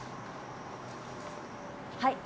はい。